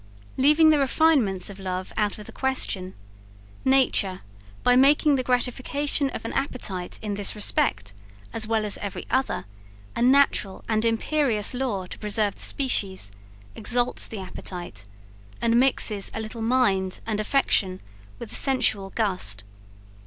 Leaving the refinements of love out of the question; nature, by making the gratification of an appetite, in this respect, as well as every other, a natural and imperious law to preserve the species, exalts the appetite, and mixes a little mind and affection with a sensual gust.